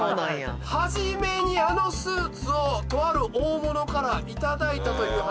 初めにあのスーツをとある大物から頂いたという話。